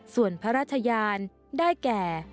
ส่วนพระราชยานได้แก่